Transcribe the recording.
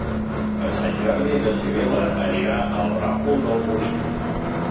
Per Sant Jordi na Sibil·la anirà al Ràfol d'Almúnia.